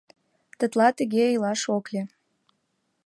«Тетла тыге илаш ок лий.